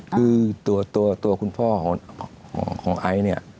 คือตัวคุณพ่อของไอ้